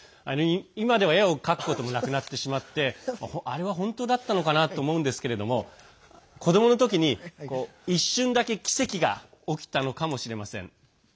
今では絵を描くこともなくなってしまってあれは本当だったのかなと思うんですけれども子どもの時に一瞬だけ奇跡が起きたのかもしれません。